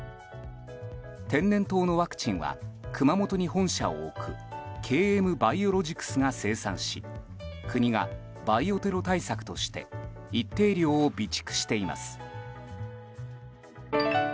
天然痘のワクチンは熊本に本社を置くＫＭバイオロジクスが生産し国がバイオテロ対策として一定量を備蓄しています。